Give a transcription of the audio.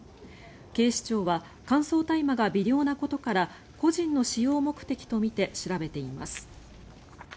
警視庁は乾燥大麻が微量なことから個人の使用目的とみて調べています。